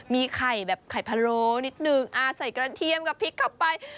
มีไข่แบบไข่พะโลนิดนึงใส่กระเทียมกับพริกเข้าไป